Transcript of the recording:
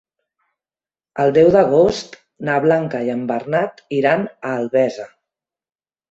El deu d'agost na Blanca i en Bernat iran a Albesa.